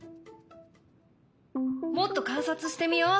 もっと観察してみよう。